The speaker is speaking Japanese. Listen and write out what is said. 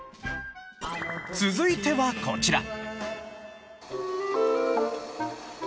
続いてはこちら。